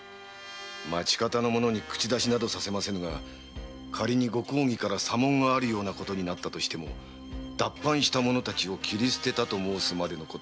町方の者に口出しなどさせませぬが仮にご公儀から査問があるようなことになったとしても「脱藩した者たちを斬り捨てた」と申すまでのこと。